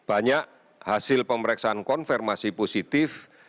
banyak hasil pemeriksaan konfirmasi positif